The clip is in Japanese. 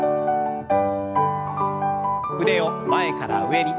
腕を前から上に。